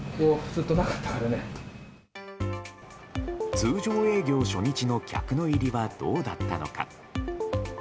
通常営業初日の客の入りはどうだったのか。